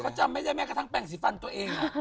เขาจำไม่ได้แม้กระทั่งแปลงสีฟันตัวเอง